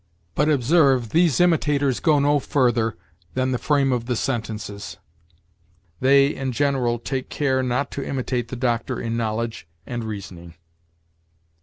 But, observe, these imitators go no further than the frame of the sentences. They, in general, take care not to imitate the Doctor in knowledge and reasoning."